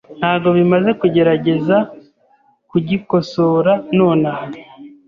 Ntabwo bimaze kugerageza kugikosora nonaha .